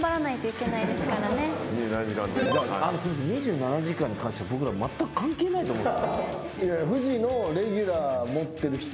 あのすいません『２７時間』に関しては僕らまったく関係ないと思う。